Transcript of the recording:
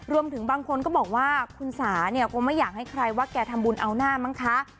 รวมถึงบางคนก็บอกว่าคุณสาเนี่ยก็ไม่อยากให้ใครว่าแกทำบุญเอาหน้ามั้งคะ